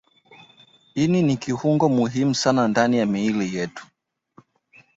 Ini ni kiungo muhimu sana ndani ya miili yetu